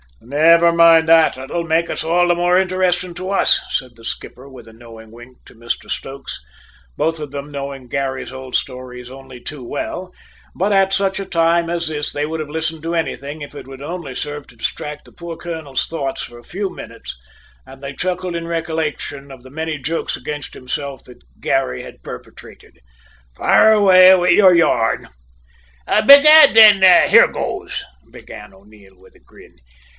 "Never mind that; it will make it all the more interesting to us," said the skipper with a knowing wink to Mr Stokes, both of them knowing Garry's old stories only too well, but at such a time as this they would have listened to anything if it would only serve to distract the poor colonel's thoughts for a few minutes, and they chuckled in recollection of the many jokes against himself that Garry had perpetrated. "Fire away with your yarn." "Bedad, then, here goes," began O'Neil with a grin.